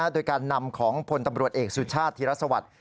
โดยการนำของพลตำรวจเอกสุชาติธิรสวัสดิ์